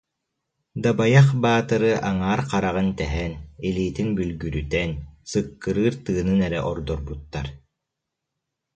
Дабайах Баатыры аҥаар хараҕын тэһэн, илиитин бүлгүрүтэн, сыккырыыр тыынын эрэ ордорбуттар